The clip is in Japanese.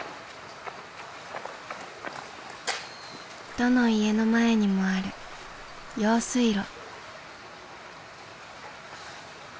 どの家の前にもある用水路。